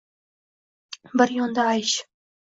Bir yonda aysh